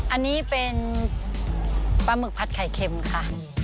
อันนี้เป็นปลาหมึกผัดไข่เค็มค่ะ